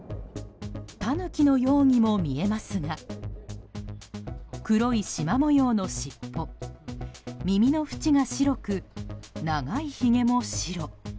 タヌキのようにも見えますが黒いしま模様の尻尾耳の縁が白く長いひげも白。